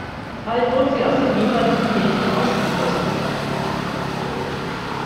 Bald wurden sie aus den jeweiligen Kirchen ausgeschlossen.